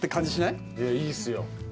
いやいいっすよ。